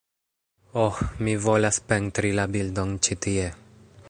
"Oh, mi volas pentri la bildon ĉi tie"